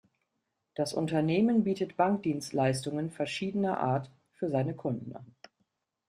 Das Unternehmen bietet Bankdienstleistungen verschiedener Art für seine Kunden an.